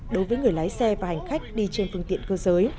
đối với người lái xe và hành khách đi trên phương tiện cơ giới